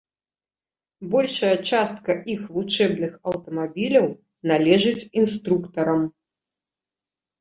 Большая частка іх вучэбных аўтамабіляў належыць інструктарам.